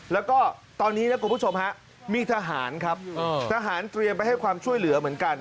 แล้วก็ตอนนี้นะคุณผู้ชมฮะมีทหารครับทหารเตรียมไปให้ความช่วยเหลือเหมือนกัน